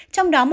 trong đó một ca